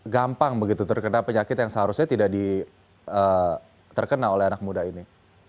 gampang begitu terkena penyakit yang seharusnya tidak terkena oleh anak muda ini